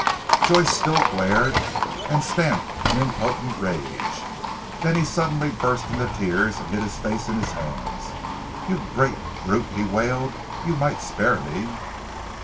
Joyce still glared and stamped in impotent rage. Then he suddenly burst into tears and hid his face in his hands. "You great brute," he wailed, "you might spare me!"